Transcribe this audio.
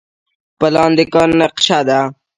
پلان د کار نقشه ده